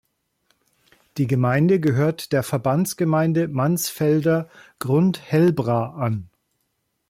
Die Gemeinde gehört der Verbandsgemeinde Mansfelder Grund-Helbra an.